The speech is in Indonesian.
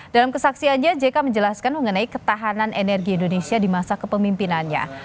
dalam kesaksiannya jk menjelaskan mengenai ketahanan energi indonesia di masa kepemimpinannya